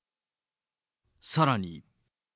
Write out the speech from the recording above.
さらに。